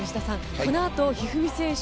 このあと一二三選手